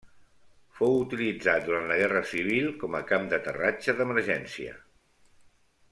Fou utilitzat durant la Guerra Civil com a camp d'aterratge d'emergència.